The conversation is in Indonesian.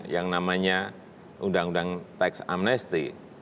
yang namanya undang undang teks amnesty